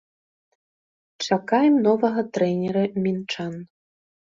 Чакаем новага трэнера мінчан?